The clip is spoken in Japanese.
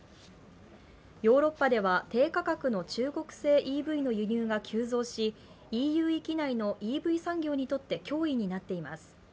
ヨーロッパでは低価格の中国製ＥＶの輸入が急増しＥＵ域内のＥＶ産業にとって脅威になっています。